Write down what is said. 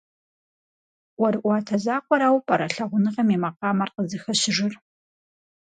ӀуэрыӀуатэ закъуэрауэ пӀэрэ лъагъуныгъэм и макъамэр къызыхэщыжыр?